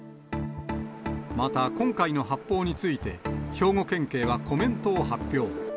また、今回の発砲について、兵庫県警はコメントを発表。